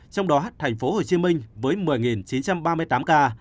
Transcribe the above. trong đó hắt thành phố hồ chí minh với một mươi chín trăm ba mươi tám ca